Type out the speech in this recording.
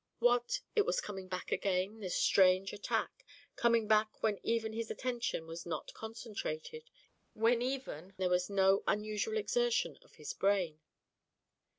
What! it was coming back again, this strange attack, coming back even when his attention was not concentrated, even when there was no unusual exertion of his brain!